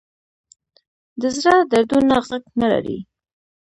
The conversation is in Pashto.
د زړه دردونه غږ نه لري